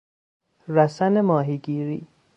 رسن ماهیگیری